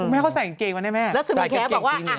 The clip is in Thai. แม่เขาใส่กางเกงมาเนี่ยแม่แล้วสุขผู้แครว่า